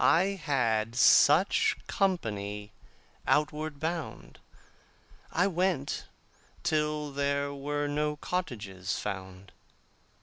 I had such company outward bound. I went till there were no cottages found.